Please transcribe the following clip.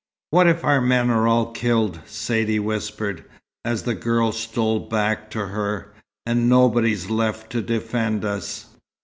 "What if our men are all killed," Saidee whispered, as the girl stole back to her, "and nobody's left to defend us?